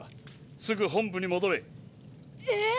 すぐ本部に戻れええ！